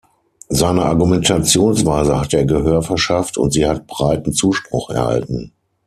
Seiner Argumentationsweise hat er Gehör verschafft und sie hat breiten Zuspruch erhalten.